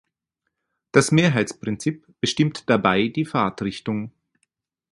Das Mehrheitsprinzip bestimmt dabei die Fahrtrichtung.